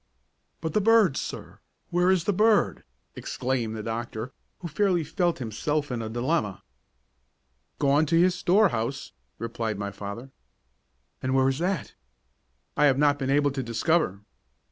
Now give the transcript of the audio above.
"But the bird, sir where is the bird?" exclaimed the doctor, who fairly felt himself in a dilemma. "Gone to his storehouse," replied my father. "And where is that?" "I have not been able to discover."